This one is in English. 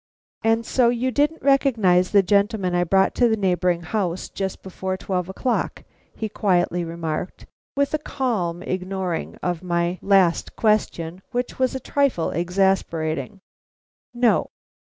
"And so you didn't recognize the gentleman I brought to the neighboring house just before twelve o'clock," he quietly remarked, with a calm ignoring of my last question which was a trifle exasperating. "No."